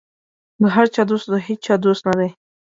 د هر چا دوست د هېچا دوست نه دی.